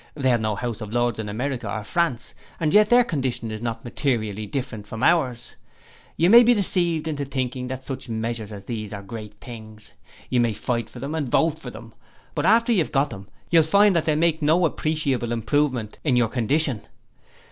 They have no House of Lords in America or France, and yet their condition is not materially different from ours. You may be deceived into thinking that such measures as those are great things. You may fight for them and vote for them, but after you have got them you will find that they will make no appreciable improvement in your condition.